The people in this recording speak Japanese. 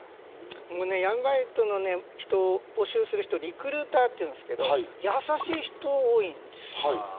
闇バイトの募集をする人をリクルーターというんですが優しい人が多いんです。